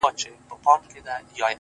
o څوک ده چي راګوري دا و چاته مخامخ يمه؛